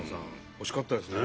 惜しかったですね。